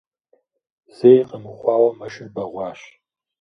Зэи къэмыхъуауэ, мэшыр бэгъуащ.